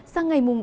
sáng ngày mùng ba